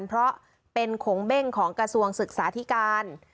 เพราะเป็นขงเบ้งของกระทรวงศึกษาธิการ